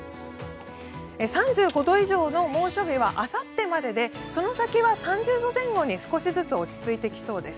３５度以上の猛暑日はあさってまででその先は３０度前後に少しずつ落ち着いてきそうです。